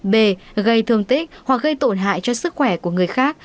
b gây thương tích hoặc gây tổn hại cho sức khỏe của người khác